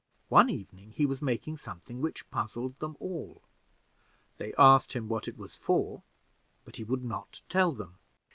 One evening he was making something which puzzled them all. They asked him what it was for, but he would not tell them.